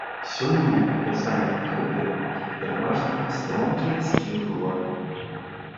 Сёння лясамі пакрытыя пераважна стромкія схілы гор.